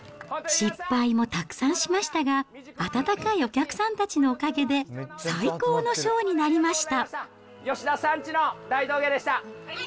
失敗もたくさんしましたが、温かいお客さんたちのおかげで、最高のショーになりました。